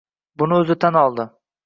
Buni o'zi tan oldi